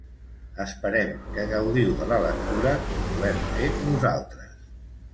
Esperem que gaudiu de la lectura com ho hem fet nosaltres.